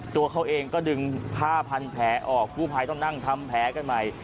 ตัวเขาเองก็ดึงผ้าพันแผลออกกู้ภัยต้องนั่งทำแผลกันใหม่